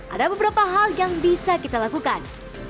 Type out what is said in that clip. ada beberapa hal yang bisa kita lakukan